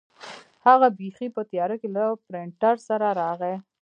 هغه بیخي په تیاره کې له پرنټر سره راغی.